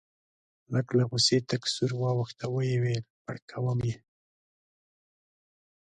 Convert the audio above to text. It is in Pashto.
ملک له غوسې تک سور واوښت او وویل مړ کوم یې.